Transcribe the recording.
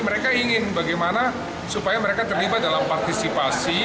mereka ingin bagaimana supaya mereka terlibat dalam partisipasi